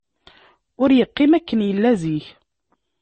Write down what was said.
Ur yeqqim akken yella zik.